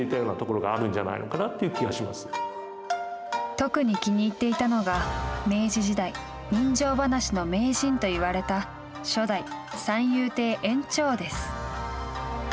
特に気に入っていたのが明治時代人情ばなしの名人と言われた初代三遊亭圓朝です。